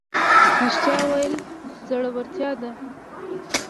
رښتیا ویل زړورتیا ده